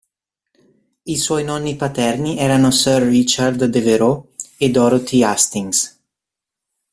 I suoi nonni paterni erano Sir Richard Devereux e Dorothy Hastings.